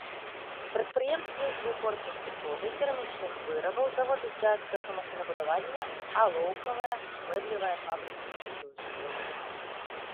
Прадпрыемствы з вытворчасці соды, керамічных вырабаў, заводы цяжкага машынабудавання, алоўкавая, мэблевая фабрыкі і іншае.